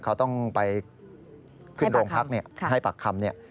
เขาต้องไปขึ้นโรงพักให้ปากคำเนี่ย